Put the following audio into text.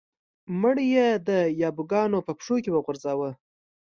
مړی یې د یابو ګانو په پښو کې وغورځاوه.